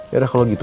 yaudah kalau gitu